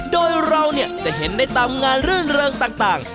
โดยเราเนี่ยจะเห็นในตามงานเรื่องเริ่มต่าง